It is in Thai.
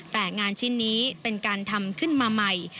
แต่งานชิ้นนี้เป็นการทำขึ้นมาใหม่